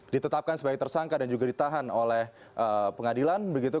ditetapkan sebagai tersangka dan juga ditahan oleh pengadilan begitu